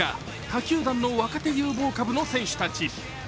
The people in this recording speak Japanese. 球団の若手有望株の選手たち。